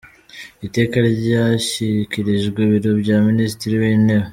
iteka ryashyikirijwe Ibiro bya Minisitiri w’Intebe